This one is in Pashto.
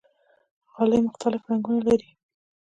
غالۍ مختلف رنګونه لري.